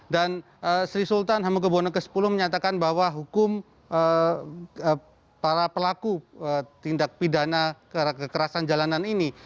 dan sri sultan hamenggo buwone ke sepuluh menyatakan bahwa hukum para pelaku tindak pidana kekerasan jalanan ini